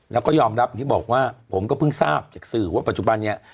แล้วก็ยอมรับอย่างที่บอกว่าผมก็เพิ่งทราบจากสื่อว่าปัจจุบันนี้